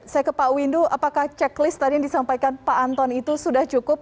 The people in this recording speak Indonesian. saya ke pak windu apakah checklist tadi yang disampaikan pak anton itu sudah cukup